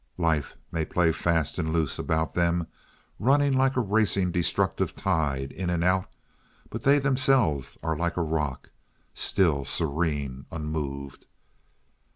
Life may play fast and loose about them, running like a racing, destructive tide in and out, but they themselves are like a rock, still, serene, unmoved.